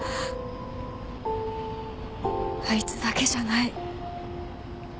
あいつだけじゃない。